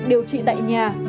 điều trị tại nhà